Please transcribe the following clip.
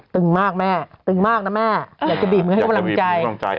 ตึงมากแม่ตึงมากนะแม่อยากจะบีบมือให้กำลังใจ